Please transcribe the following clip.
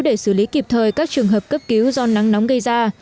để xử lý kịp thời các trường hợp cấp cứu do nắng nóng gây ra